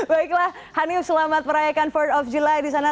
baiklah hanif selamat merayakan empat th of july di sana